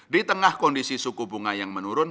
di tengah kondisi suku bunga yang menurun